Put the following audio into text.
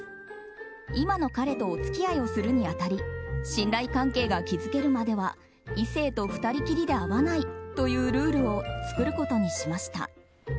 今の彼とお付き合いをするに当たり信頼関係が築けるまでは異性と２人きりで会わないというルールを作ることにしました。